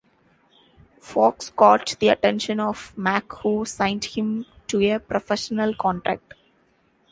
Fox caught the attention of Mack who signed him to a professional contract.